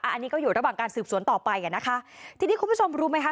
อันนี้ก็อยู่ระหว่างการสืบสวนต่อไปอ่ะนะคะทีนี้คุณผู้ชมรู้ไหมคะ